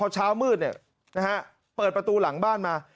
เลยพอเช้ามืดเนี่ยเปิดประตูหลังบ้านมา